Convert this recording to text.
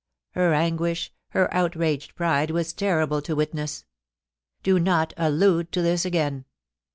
Her anguish, her outraged pride were terrible to witness. Do not allude to this again.